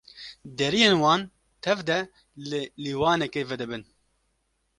Deriyên wan tev de li lîwanekê vedibin.